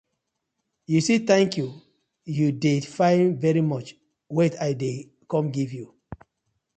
You see "thank you", you dey find "very much", wait I dey com giv you.